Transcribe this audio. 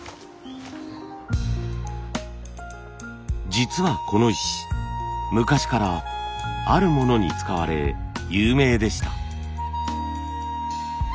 実はこの石昔からあるものに使われ有名でした。